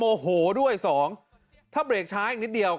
โมโหด้วยสองถ้าเบรกช้าอีกนิดเดียว